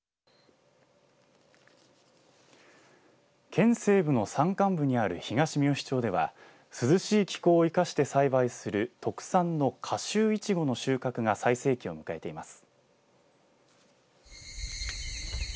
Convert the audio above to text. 県西部の山間部にある東みよし町では涼しい気候を生かして栽培する特産の夏秋いちごの収穫が最盛期を迎えています。